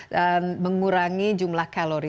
dan mengurangi jumlah kalori